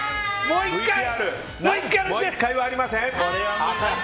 もう１回はありません。